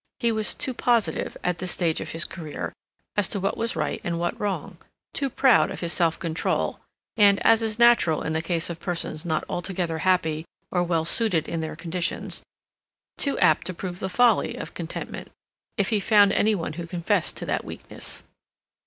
He was too positive, at this stage of his career, as to what was right and what wrong, too proud of his self control, and, as is natural in the case of persons not altogether happy or well suited in their conditions, too apt to prove the folly of contentment, if he found any one who confessed to that weakness.